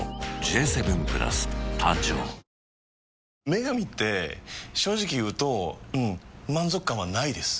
「麺神」って正直言うとうん満足感はないです。